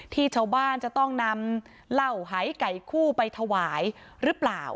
ที่ชาวบ้านจะต้องนำเหล้าหายไก่คู่ไปถวายหรือเปล่า